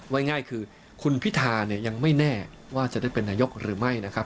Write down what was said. ไว้ง่ายคือคุณพิธาเนี่ยยังไม่แน่ว่าจะได้เป็นนายกหรือไม่นะครับ